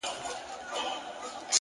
هره هڅه د ځان جوړونې برخه ده؛